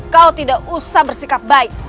kau tidak usah bersikap baik